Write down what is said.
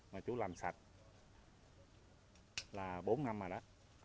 mà chú làm sạch là bốn năm rồi đó